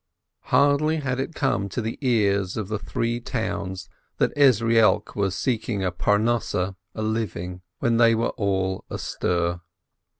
Hardly had it come to the ears of the three towns that Ezrielk was seeking a Parnosseh when they were all astir.